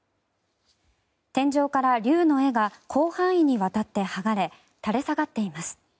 天井から竜の絵が広範囲にわたって剥がれ垂れ下がっています。